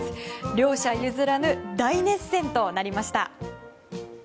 両者譲らぬ大熱戦となりました。